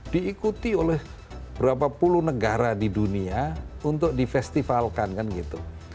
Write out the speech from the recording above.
diikuti oleh berapa puluh negara di dunia untuk difestivalkan kan gitu